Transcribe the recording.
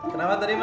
kenapa tadi ma